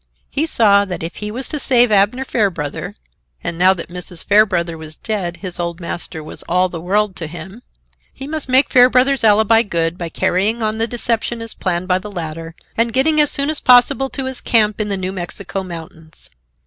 He saw that if he was to save Abner Fairbrother (and now that Mrs. Fairbrother was dead, his old master was all the world to him) he must make Fairbrother's alibi good by carrying on the deception as planned by the latter, and getting as soon as possible to his camp in the New Mexico mountains.